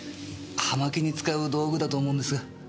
葉巻に使う道具だと思うんですが。